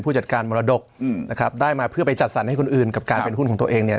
ผู้จัดการบังคับได้มาเพื่อไปจัดสรรคทุนอื่นกับการเอามาเงินเนี่ย